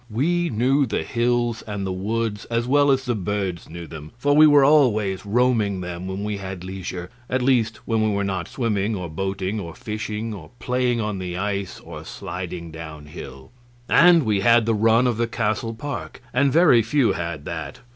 We knew the hills and the woods as well as the birds knew them; for we were always roaming them when we had leisure at least, when we were not swimming or boating or fishing, or playing on the ice or sliding down hill. And we had the run of the castle park, and very few had that.